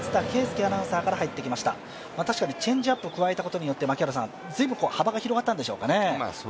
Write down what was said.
確かにチェンジアップを加えたことによって、随分幅が広がったんでしょうかね。